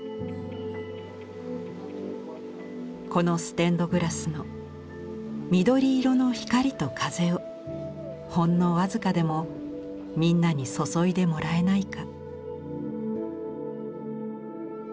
「このステンド・グラスの緑色の光りと風をほんの僅かでもみんなに注いでもらえないか」。